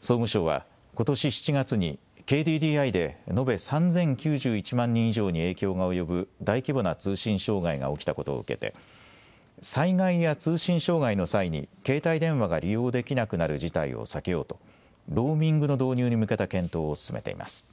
総務省はことし７月にＫＤＤＩで延べ３０９１万人以上に影響が及ぶ大規模な通信障害が起きたことを受けて災害や通信障害の際に携帯電話が利用できなくなる事態を避けようとローミングの導入に向けた検討を進めています。